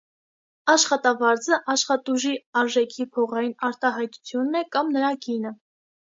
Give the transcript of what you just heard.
Աշխատավարձը աշխատուժի արժեքի փողային արտահայտությունն է կամ նրա գինը։